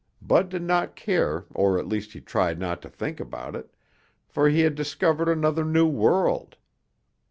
Bud did not care or at least he tried not to think about it, for he had discovered another new world.